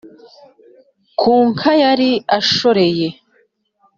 ku nka yari ashoreye.